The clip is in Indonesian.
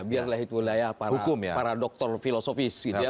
biar lah itu wilayah para dokter filosofi